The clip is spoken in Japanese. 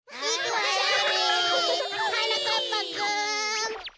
はなかっぱくんパス！